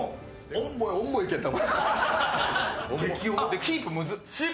重い、重いけん玉。